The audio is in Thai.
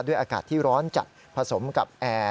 อากาศที่ร้อนจัดผสมกับแอร์